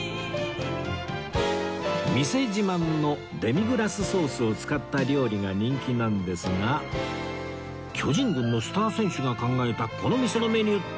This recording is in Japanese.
店自慢のデミグラスソースを使った料理が人気なんですが巨人軍のスター選手が考えたこの店のメニューって一体？